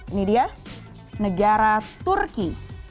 ini dia negara turki